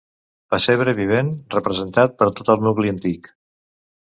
Pessebre vivent representat per tot el nucli antic.